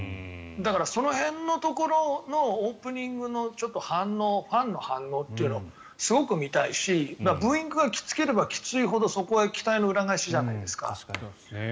だからその辺のところのオープニングのファンの反応というのをすごく見たいしブーイングがきつければきついほどそこは期待の裏返しじゃないですか。